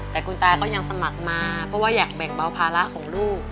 แต่คุณตาก็ยังสมัครมาเพราะว่าอยากแบ่งเบาภาระของลูก